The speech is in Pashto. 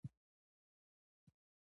تنوع د افغانستان د طبیعت د ښکلا برخه ده.